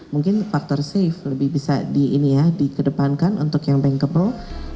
mungkin faktor safe lebih bisa dikedepankan untuk yang bankable